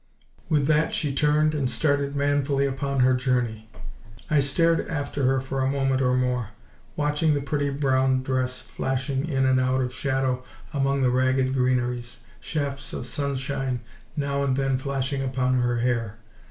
With that she turned and started manfully upon her journey. I stared after her for a moment or more, watching the pretty brown dress flashing in and out of shadow among the ragged greeneries, shafts of sunshine now and then flashing upon her hair.